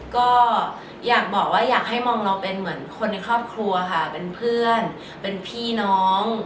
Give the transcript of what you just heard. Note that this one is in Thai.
ก็อยากบอกว่าอยากให้มองเราเป็นเหมือนคนในครอบครัวค่ะเป็นเพื่อนเป็นพี่น้อง